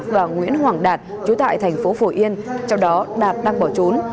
và nguyễn hoàng đạt chú tại thành phố phổ yên trong đó đạt đang bỏ trốn